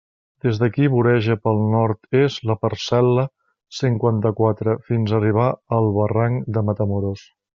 Des d'ací voreja pel nord-est la parcel·la cinquanta-quatre, fins a arribar al barranc de Matamoros.